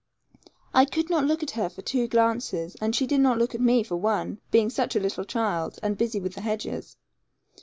I could not look at her for two glances, and she did not look at me for one, being such a little child, and busy with the hedges.